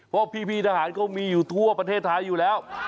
เพราะพี่ทหารเขามีอยู่ทั่วประเทศไทยอยู่แล้ว